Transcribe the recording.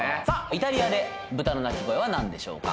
イタリアでブタの鳴き声はなんでしょうか？